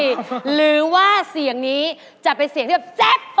หรือว่าเสียงนี้จะเป็นเสียงที่แบบแจ๊ค